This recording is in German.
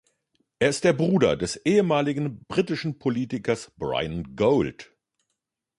Er ist der Bruder des ehemaligen britischen Politikers Bryan Gould.